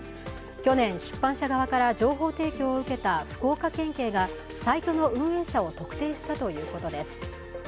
去年、出版社側から情報提供を受けた福岡県警がサイトの運営者を特定したということです。